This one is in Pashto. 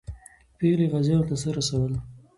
پېغلې غازیانو ته څه رسول؟